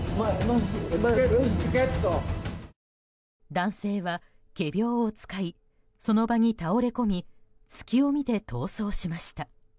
男性は仮病を使いその場に倒れ込み隙を見て逃走しました。